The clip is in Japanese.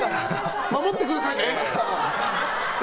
守ってくださいね！